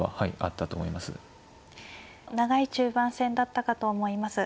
長い中盤戦だったかと思います。